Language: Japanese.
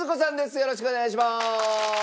よろしくお願いします！